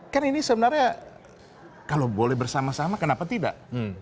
kan ini sebenarnya kalau boleh bersama sama kenapa tidak